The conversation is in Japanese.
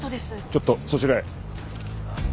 ちょっとそちらへ。